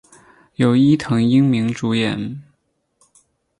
由伊藤英明主演。